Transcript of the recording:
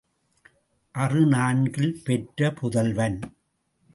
அறு நான்கில் பெற்ற புதல்வன்.